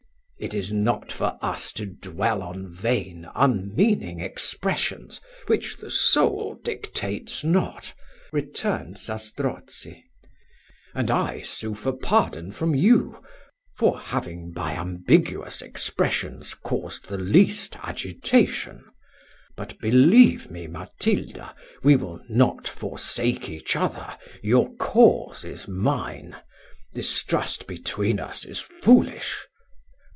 "It is not for us to dwell on vain, unmeaning expressions, which the soul dictates not," returned Zastrozzi; "and I sue for pardon from you, for having, by ambiguous expressions, caused the least agitation: but, believe me, Matilda, we will not forsake each other; your cause is mine; distrust between us is foolish.